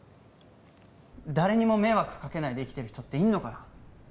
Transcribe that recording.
誰にも迷惑かけないで生きてる人っているのかな？